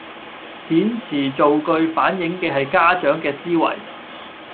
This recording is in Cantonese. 遣詞造句反映嘅係家長嘅思維